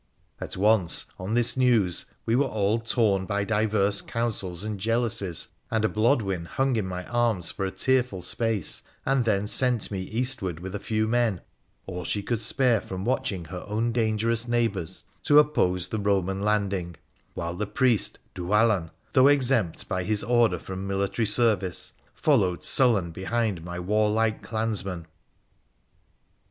At once on this news were we all torn by diverse counsels and jealousies, and Blodwen hung in my arms for a tearful space, and then sent me eastward with a few men — all she could spare from watching her own dangerous neighbours — to oppose the Eoman landing ; while the priest Dhuwallon, though exempt by his order from military service, followed sullen behind my warlike clansmen.